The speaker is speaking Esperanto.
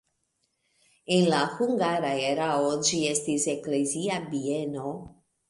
En la hungara erao ĝi estis eklezia bieno.